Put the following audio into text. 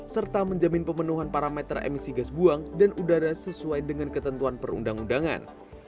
serta menjamin pemenuhan parameter emisi gas buang dan udara sesuai dengan ketentuan perundang undangan